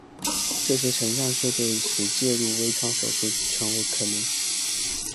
这些成像设备使介入微创手术成为可能。